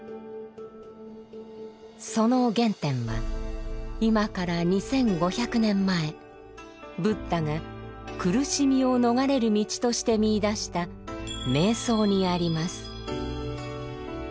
その原点は今から２，５００年前ブッダが「苦しみを逃れる道」として見いだした「瞑想」にあります。